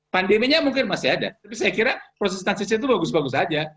pandeminya mungkin masih ada tapi saya kira proses transisi itu bagus bagus saja